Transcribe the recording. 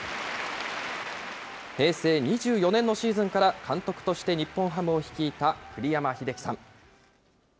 平成２４年のシーズンから監督として日本ハムを率いた栗山英樹さん。